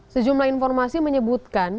sejumlah informasi menyebutkan